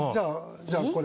じゃあこれ。